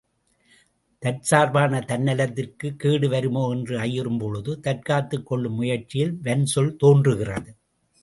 தற்சார்பான தன்னலத்திற்குக் கேடுவருமோ என்று ஐயுறும் பொழுது, தற்காத்துக் கொள்ளும் முயற்சியில் வன்சொல் தோன்றுகிறது.